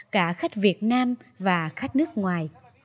cả khách việt nam và khách nước ngoài